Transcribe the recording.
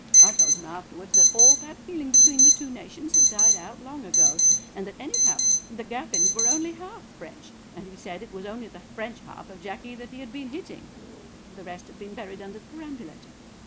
I told him afterwards that all bad feeling between the two nations had died out long ago, and that anyhow the Gaffins were only half French, and he said that it was only the French half of Jacky that he had been hitting; the rest had been buried under the perambulator.